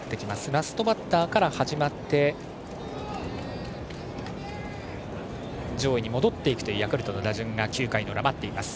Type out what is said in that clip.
ラストバッターから始まって上位に戻っていくというヤクルトの打順が９回の裏、待っています。